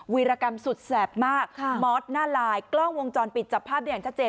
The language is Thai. วิรกรรมสุดแสบมากมอสหน้าลายกล้องวงจรปิดจับภาพได้อย่างชัดเจน